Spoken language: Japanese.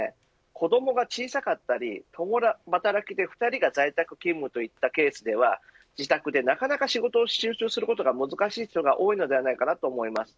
子どもが小さかったり共働きで２人が在宅勤務といったケースでは自宅でなかなか仕事に集中することが難しい人が多いのではないかと思います。